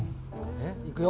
えっいくよ？